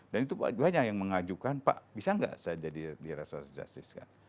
dan itu banyak yang mengajukan pak bisa gak saya jadi diresolusi justice kan